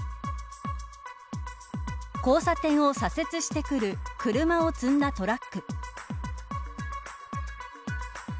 交差点を左折してくる車を積んだトラック。